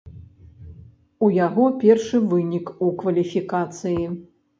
У яго першы вынік у кваліфікацыі.